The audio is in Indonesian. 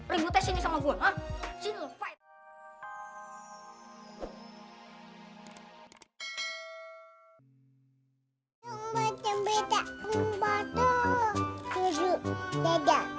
ributnya sini sama gue